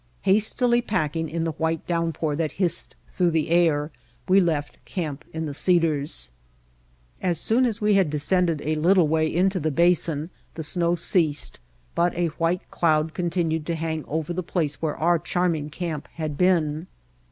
Hastily packing in the white downpour that hissed through the air, we left Camp in the Cedars. As soon as we had descended a little way into the basin the snow ceased, but a white cloud con tinued to hang over the place where our charm ing camp had been.